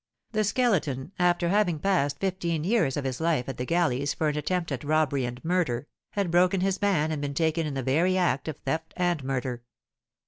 The Skeleton, after having passed fifteen years of his life at the galleys for an attempt at robbery and murder, had broken his ban and been taken in the very act of theft and murder.